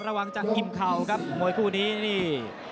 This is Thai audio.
ระวังจังยิ่งเข่าครับเว้ยคู่นี้นี่